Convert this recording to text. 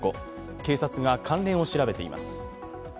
警察が関連を調べています。